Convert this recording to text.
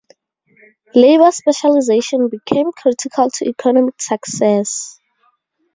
Labour specialization became critical to economic success.